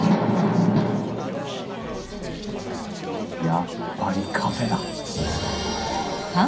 やっぱりカフェだ！